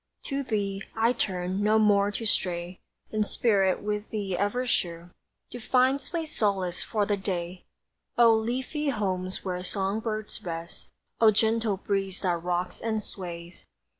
To thee, I turn, no more to stray In spirit, with thee ever sure To find sweet solace for the day! O leafy homes where song birds rest; O gentle breeze that rocks and sways!